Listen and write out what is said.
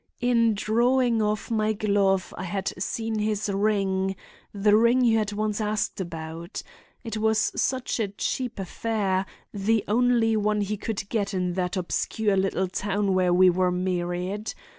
In drawing off my glove I had seen his ring—the ring you had once asked about. It was such a cheap affair; the only one he could get in that obscure little town where we were married.